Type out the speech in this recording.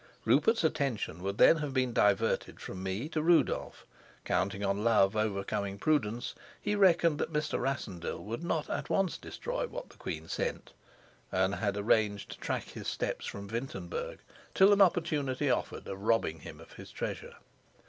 Rupert's attention would then have been diverted from me to Rudolf; counting on love overcoming prudence, he reckoned that Mr. Rassendyll would not at once destroy what the queen sent, and had arranged to track his steps from Wintenberg till an opportunity offered of robbing him of his treasure.